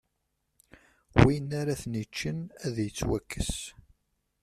Win ara ten-iččen, ad ittwakkes.